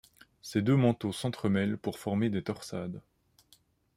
Ces deux manteaux s'entremêlent pour former des torsades.